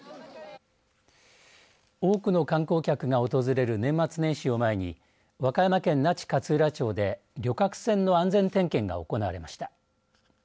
多くの観光客が訪れる年末年始を前に和歌山県那智勝浦町で旅客船の安全点検が行われました。